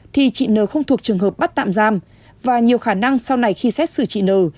thì chị nờ không thuộc trường hợp bắt tạm giam và nhiều khả năng sau này khi xét xử chị nờ